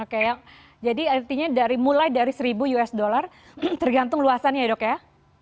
oke jadi artinya mulai dari seribu usd tergantung luasannya ya dok ya